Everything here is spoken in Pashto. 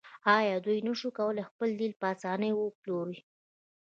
آیا دوی نشي کولی خپل تیل په اسانۍ وپلوري؟